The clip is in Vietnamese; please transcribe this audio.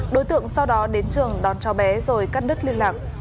đối tượng sau đó đến trường đón cháu bé rồi cắt đứt liên lạc